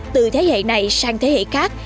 từ thế hệ này sang thế hệ khác